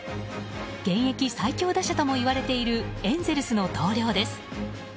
現役最強打者とも言われているエンゼルスの同僚です。